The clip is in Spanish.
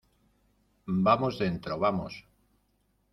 vamos, dentro. ¡ vamos!